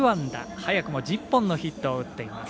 早くも１０本のヒットを打っています。